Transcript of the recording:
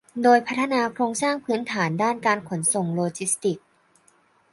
โดยพัฒนาโครงสร้างพื้นฐานด้านการขนส่งโลจิสติกส์